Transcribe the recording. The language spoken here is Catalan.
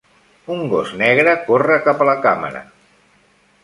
Un gos negre corre cap a la càmera.